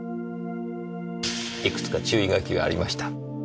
いくつか注意書きがありました。